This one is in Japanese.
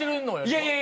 いやいや！